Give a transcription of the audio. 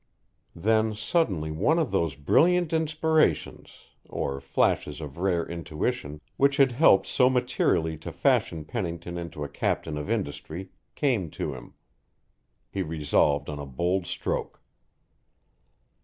Then suddenly one of those brilliant inspirations, or flashes of rare intuition, which had helped so materially to fashion Pennington into a captain of industry, came to him. He resolved on a bold stroke.